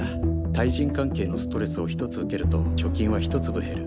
対人関係のストレスを１つ受けると貯金は１粒減る。